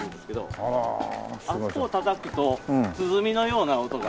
あそこをたたくと鼓のような音が。